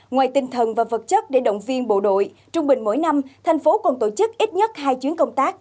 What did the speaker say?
ngoài tinh thần và vật chất để động viên bộ đội trung bình mỗi năm thành phố còn tổ chức ít nhất hai chuyến công tác